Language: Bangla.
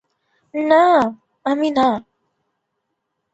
না, আমি না।